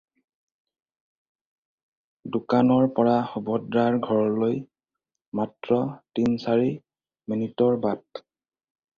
দোকানৰ পৰা সুভদ্ৰাৰ ঘৰলৈ মাত্ৰ তিন-চাৰি মিনিটৰ বাট।